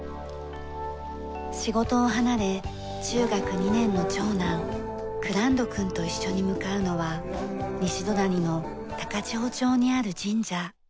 仕事を離れ中学２年の長男蔵人君と一緒に向かうのは西隣の高千穂町にある神社。